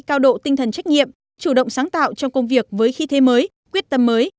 cao độ tinh thần trách nhiệm chủ động sáng tạo trong công việc với khí thế mới quyết tâm mới